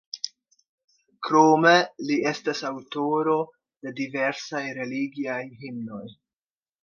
Krome li estas aŭtoro de diversaj religiaj himnoj.